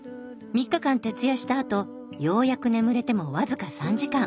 ３日間徹夜したあとようやく眠れても僅か３時間。